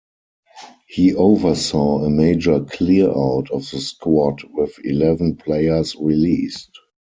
He oversaw a major clearout of the squad with eleven players released.